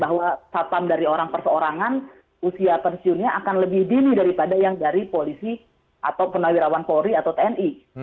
bahwa satpam dari orang perseorangan usia pensiunnya akan lebih dini daripada yang dari polisi atau purnawirawan polri atau tni